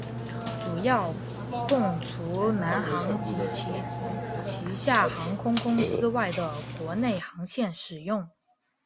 主要供除南航及其旗下航空公司外的国内航线使用。